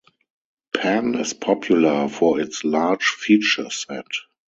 Pan is popular for its large feature set.